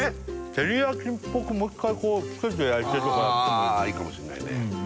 照り焼きっぽくもう一回つけて焼いてとかやってもいいかもしれないね